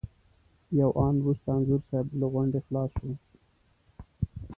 یو آن وروسته انځور صاحب له غونډې خلاص شو.